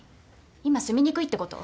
今住みにくいってこと？